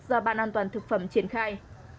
do ban an toàn thực phẩm triển khai